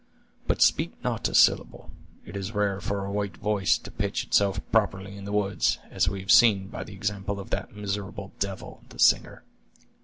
But speak not a syllable; it is rare for a white voice to pitch itself properly in the woods, as we have seen by the example of that miserable devil, the singer.